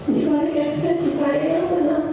di balik ekspresi saya yang pernah